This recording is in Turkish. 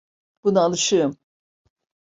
Buna alışığım.